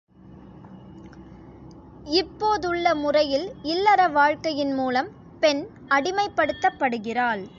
இப்போதுள்ள முறையில் இல்லற வாழ்க்கையின் மூலம் பெண் அடிமைப்படுத்தப்படுகிறாள்.